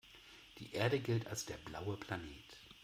Die Erde gilt als der „blaue Planet“.